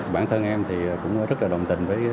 bản thân em thì cũng rất là đồng tình với cá nhân